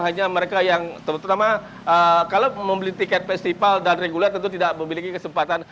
hanya mereka yang terutama kalau membeli tiket festival dan reguler tentu tidak memiliki kesempatan